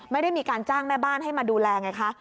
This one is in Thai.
ไม่ได้มีการจ้างแม่บ้านให้มาดูแลไงคะ